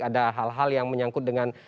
ada hal hal yang menyangkut dengan